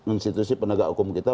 institusi penegak hukum kita